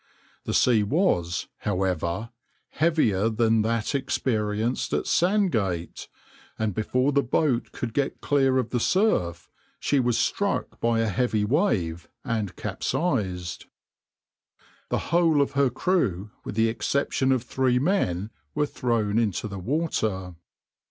The sea was, however, heavier than that experienced at Sandgate, and before the boat could get clear of the surf, she was struck by a heavy wave and capsized. The whole of her crew with the exception of three men, were thrown into the water.